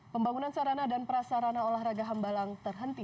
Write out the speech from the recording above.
pembangunan sarana dan prasarana olahraga hambalang terhenti